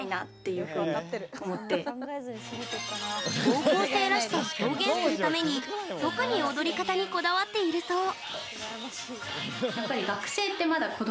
高校生らしさを表現するために特に踊り方にこだわっているそう。